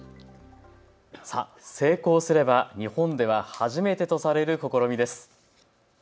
成功すれば日本では初めてとされる試みです。